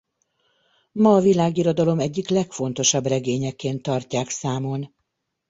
Ma a világirodalom egyik legfontosabb regényeként tartják számon.